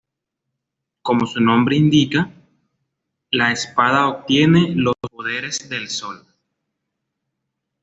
Como su nombre indica, la espada obtiene los poderes del Sol.